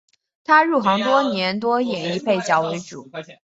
他入行多年多演绎配角为主。